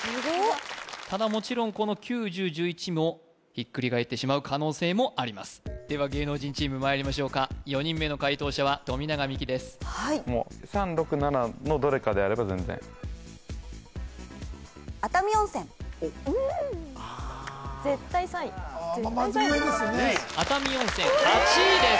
ただもちろんこの９・１０・１１もひっくり返ってしまう可能性もありますでは芸能人チームまいりましょうか４人目の解答者は富永美樹です絶対３位まあまあ上ですよね熱海温泉８位です！